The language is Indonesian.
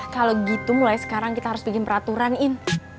kalau gitu mulai sekarang kita harus bikin peraturan ini